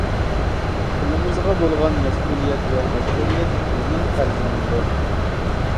تىلىمىزغا بولغان مەسئۇلىيەت ۋە مەجبۇرىيەت بىزنىڭ قەرزىمىزدۇر.